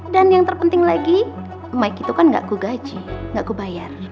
dan yang terpenting lagi mike itu kan gak aku gaji gak aku bayar